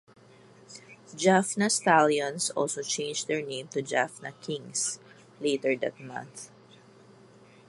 Jaffna Stallions also changed their name to Jaffna Kings later that month.